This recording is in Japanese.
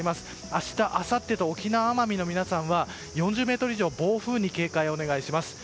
明日、あさってと沖縄、奄美の方たちは４０メートル以上の暴風に警戒をお願いします。